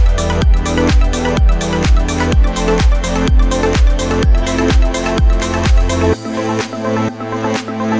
tapi kak sukma